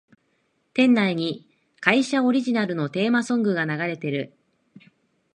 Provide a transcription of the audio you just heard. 店内に会社オリジナルのテーマソングが流れてる